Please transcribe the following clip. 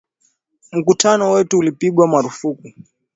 Mkutano wetu ulipigwa marufuku